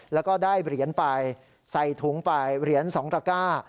แล้วก็ได้เหรียญไปใส่ถุงไปเหรียญ๒ตระก้า